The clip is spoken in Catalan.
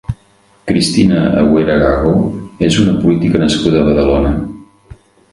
Cristina Agüera Gago és una política nascuda a Badalona.